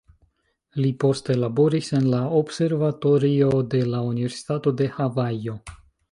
Li poste laboris en la observatorio de la Universitato de Havajo.